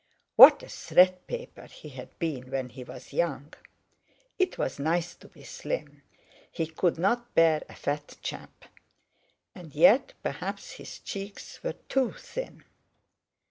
What a "threadpaper" he had been when he was young! It was nice to be slim—he could not bear a fat chap; and yet perhaps his cheeks were too thin!